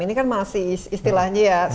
ini kan masih istilahnya ya